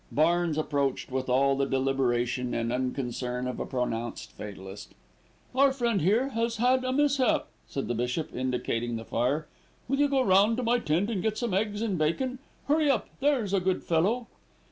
Barnes approached with all the deliberation and unconcern of a pronounced fatalist. "Our friend here has had a mishap," said the bishop, indicating the fire. "Will you go round to my tent and get some eggs and bacon. Hurry up, there's a good fellow."